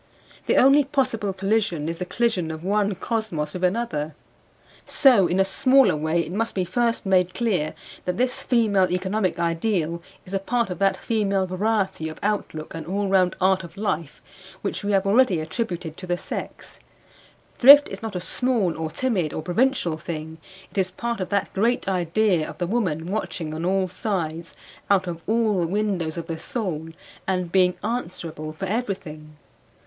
The only possible collision is the collision of one cosmos with another. So in a smaller way it must be first made clear that this female economic ideal is a part of that female variety of outlook and all round art of life which we have already attributed to the sex: thrift is not a small or timid or provincial thing; it is part of that great idea of the woman watching on all sides out of all the windows of the soul and being answerable for everything.